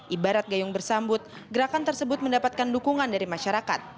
ibarat gayung bersambut gerakan tersebut mendapatkan dukungan dari masyarakat